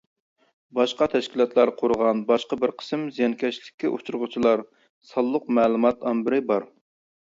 باشقا تەشكىلاتلار قۇرغان باشقا بىر قىسىم زىيانكەشلىككە ئۇچرىغۇچىلار سانلىق مەلۇمات ئامبىرى بار.